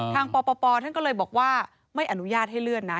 ปปท่านก็เลยบอกว่าไม่อนุญาตให้เลื่อนนะ